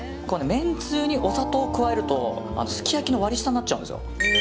めんつゆにお砂糖を加えるとすき焼きの割り下になっちゃうんですよ。